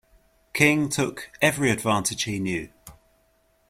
King took every advantage he knew.